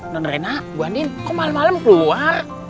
nondrena guandin kok malem malem keluar